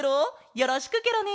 よろしくケロね！